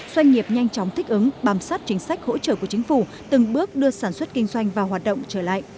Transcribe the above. doanh nghiệp nhanh chóng thích ứng bàm sát chính sách hỗ trợ của chính phủ từng bước đưa sản xuất kinh doanh vào hoạt động trở lại